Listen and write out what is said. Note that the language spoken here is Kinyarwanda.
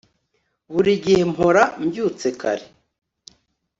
Buri gihe mpora mbyutse kare